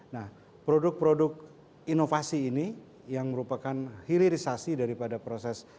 nah produk produk inovasi ini yang merupakan hilirisasi daripada proses